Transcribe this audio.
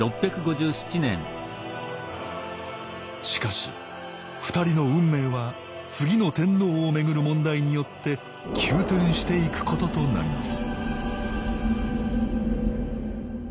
しかし２人の運命は次の天皇を巡る問題によって急転していくこととなります